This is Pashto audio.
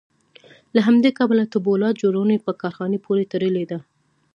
له همدې کبله د پولاد جوړونې په کارخانې پورې تړلې ده